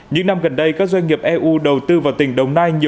những năm gần đây các doanh nghiệp eu đầu tư vào lĩnh vực sản xuất công nghiệp